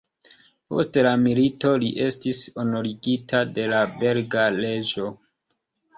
Post la milito li estis honorigita de la belga reĝo.